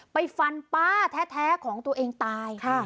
ไปฟันป้าแท้ของตัวเองตาย